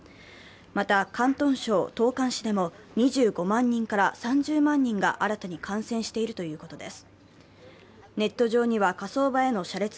また、広東省東莞市でも２５万人から３０万人が新たに感染しているということです。